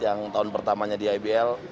yang tahun pertamanya di ibl